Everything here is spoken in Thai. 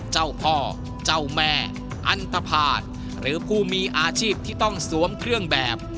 เจ้าพ่อเจ้าแม่อันตภาษณ์หรือผู้มีอาชีพที่ต้องสวมเครื่องแบบ